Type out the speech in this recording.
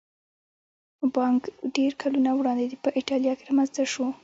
بانک ډېر کلونه وړاندې په ایټالیا کې رامنځته شو